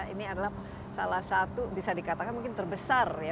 ini adalah salah satu bisa dikatakan mungkin terbesar ya